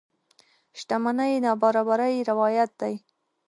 شتمنۍ نابرابرۍ روايت دي.